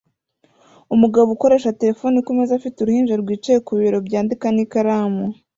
Umugabo ukoresha terefone kumeza afite uruhinja rwicaye ku bibero byandika n'ikaramu